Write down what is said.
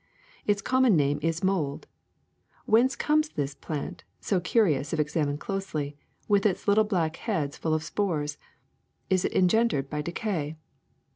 Its common name is mold. Whence comes this plant, so curious if examined closely, with its little black heads full of spores? Is it engendered by decay?